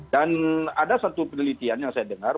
dan ada satu penelitian yang saya dengar